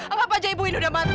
anggap aja ibu ini udah mati